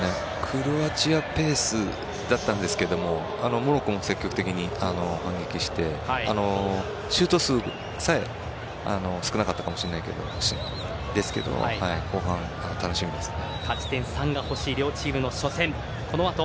クロアチアペースだったんですけどもモロッコも積極的に反撃してシュート数こそ少なかったかもしれませんけど後半、楽しみですね。